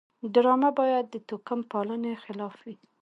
ډرامه باید د توکم پالنې خلاف وي